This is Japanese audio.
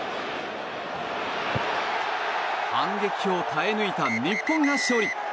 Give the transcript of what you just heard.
反撃を耐え抜いた日本が勝利。